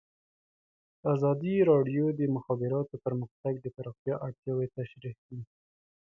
ازادي راډیو د د مخابراتو پرمختګ د پراختیا اړتیاوې تشریح کړي.